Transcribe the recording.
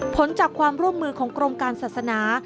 ผลจากความร่วมมือของกรมการศาสนา